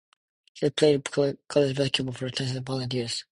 He played college basketball for the Tennessee Volunteers.